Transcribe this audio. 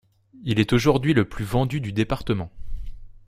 Il est aujourd'hui le plus vendu du département.